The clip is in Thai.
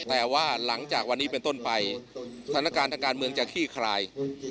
แต่ว่าหลังจากวันนี้เป็นต้นไปสถานการณ์ทางการเมืองจะขี้คลาย